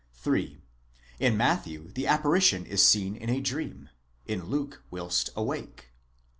3. In Matthew the appari tion is seen in a dream, in Luke whilst awake.